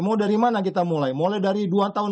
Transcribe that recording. mau dari mana kita mulai mulai dari dua tahun